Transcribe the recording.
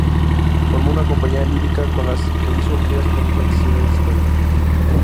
Formó una compañía lírica con la que hizo giras por diferentes ciudades de España.